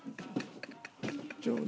ちょうど。